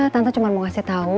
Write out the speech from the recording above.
tante cuma mau kasih tau